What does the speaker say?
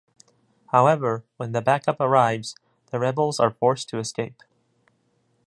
However, when the backup arrives, the Rebels are forced to escape.